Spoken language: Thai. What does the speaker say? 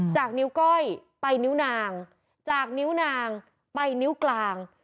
จากนิ้วก้อยไปนิ้วนางจากนิ้วนางไปนิ้วกลาง